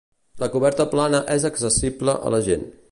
La coberta plana és accessible a la gent.